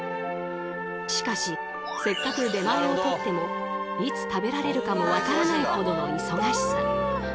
しかしせっかく出前をとってもいつ食べられるかもわからないほどの忙しさ。